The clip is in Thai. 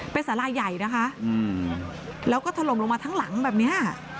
เป็นสาลาใหญ่นะคะแล้วก็ถล่มลงมาทั้งหลังแบบนี้